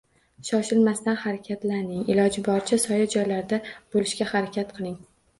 Shoshmasdan harakatlaning, iloji boricha soya joylarda bo`lishga harakat qiling